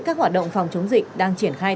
các hoạt động phòng chống dịch